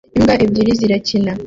Imbwa ebyiri zirakina